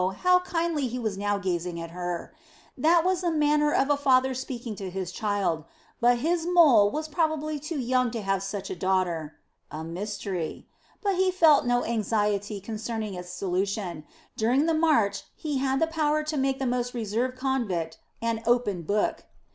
How kindly he was now gazing at her. That was the manner of a father speaking to his child; but his mole was probably too young to have such a daughter. A mystery! But he felt no anxiety concerning its solution; during the march he had the power to make the most reserved convict an open book.